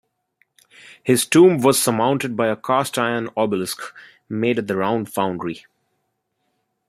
His tomb was surmounted by a cast iron obelisk made at the Round Foundry.